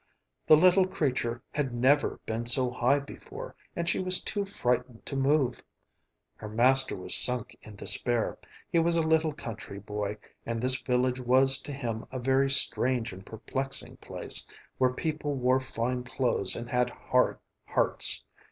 The little creature had never been so high before, and she was too frightened to move. Her master was sunk in despair. He was a little country boy, and this village was to him a very strange and perplexing place, where people wore fine clothes and had hard hearts.